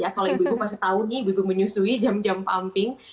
kalau ibu ibu masih tahu nih ibu menyusui jam jam pumping